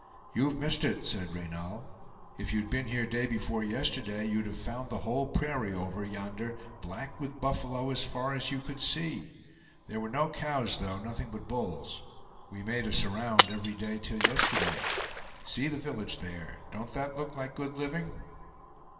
"You've missed it," said Reynal; "if you'd been here day before yesterday, you'd have found the whole prairie over yonder black with buffalo as far as you could see. There were no cows, though; nothing but bulls. We made a 'surround' every day till yesterday. See the village there; don't that look like good living?"